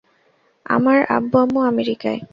আমার আব্বু-আম্মু আমেরিকায়।